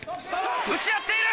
打ち合っている！